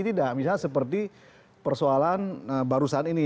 tidak misalnya seperti persoalan barusan ini